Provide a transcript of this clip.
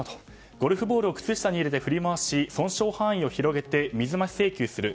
ゴルフボールを靴下に入れて振り回し損傷範囲を広げて水増し請求する。